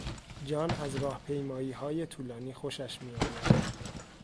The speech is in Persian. جان از راهپیماییهای طولانی خوشش می آید.